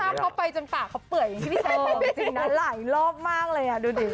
เราม็อตแท่เข้าไปจนปากเขาเปื่อยจริงนะหลายรอบมากเลยอ่ะดูดิ